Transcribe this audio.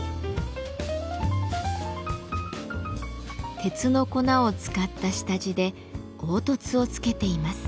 鉄の粉を使った下地で凹凸をつけています。